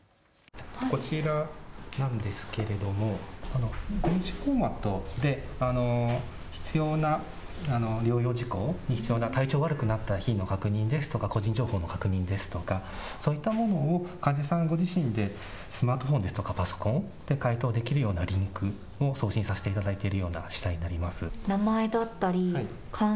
こちらなんですけれども電子フォーマットで必要な療養事項、体調が悪くなった日の確認ですとか個人情報の確認ですとかそういったものを患者さんご自身でスマートフォンですとかパソコンで回答できるようなリンクを送信させていただいているようなしだいであります。